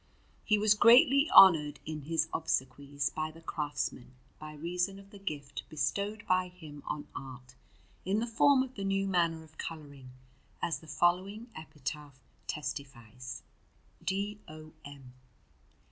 He was greatly honoured in his obsequies by the craftsmen, by reason of the gift bestowed by him on art in the form of the new manner of colouring, as the following epitaph testifies: D. O. M.